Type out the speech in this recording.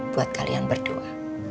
buat kalian berdua